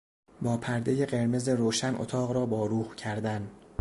با پردهی قرمز روشن اتاق را با روح کردن